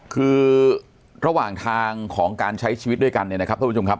คือระหว่างทางของการใช้ชีวิตด้วยกันเนี่ยนะครับท่านผู้ชมครับ